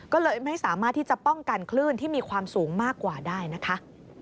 ก็เลยไม่สามารถที่จะป้องกันคลื่นที่มีความสูงมากกว่าได้นะคะ